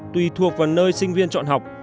tuy thuộc vào nơi sinh viên chọn học